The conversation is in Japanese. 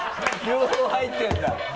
両方入ってるんだ。